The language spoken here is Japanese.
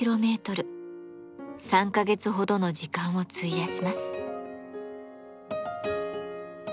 ３か月ほどの時間を費やします。